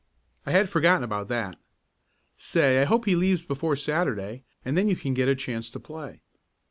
"I had forgotten about that. Say, I hope he leaves before Saturday and then you can get a chance to play."